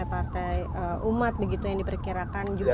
partai umat begitu yang diperkirakan juga